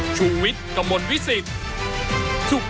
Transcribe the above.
ชูวิทธ์ตีแสงหน้า